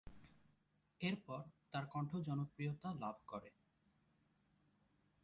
এরপর তার কণ্ঠ জনপ্রিয়তা লাভ করে।